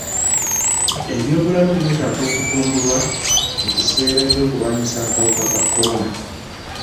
Eby'obulamu byetaaga okutumbulwa mu kiseera ky'okulwanyisa akawuka ka kolona.